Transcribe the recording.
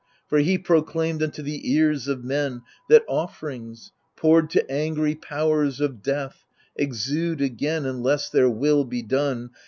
For he proclaimed unto the ears of men That offerings, poured to angry powers of death^ Exude again, unless their will be done.